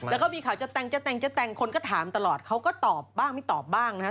แล้วก็มีข่าวจะแต่งจะแต่งจะแต่งคนก็ถามตลอดเขาก็ตอบบ้างไม่ตอบบ้างนะครับ